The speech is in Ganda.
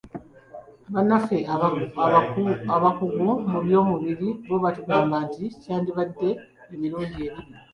Bannaffe abakugu mu by'omubiri bo batugamba nti gyandibadde emirundi ebiri.